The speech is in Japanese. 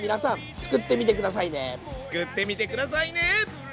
作ってみて下さいね！